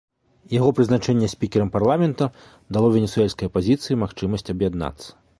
Яго прызначэнне спікерам парламента дало венесуэльскай апазіцыі магчымасць аб'яднацца.